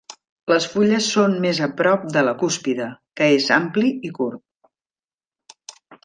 Les fulles són més a prop de la cúspide, que és ampli i curt.